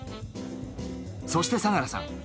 そして相楽さん